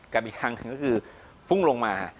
กลับอีกครั้งก็คือพุ่งลงมา